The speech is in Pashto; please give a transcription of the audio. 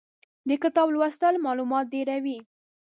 د کتاب لوستل مالومات ډېروي.